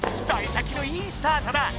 さい先のいいスタートだ！